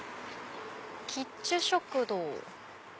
「キッチュ食堂」。